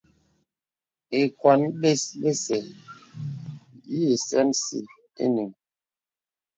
Ìkwan bes bə̀sɛ̀ yì sɛnsi ìyìŋ.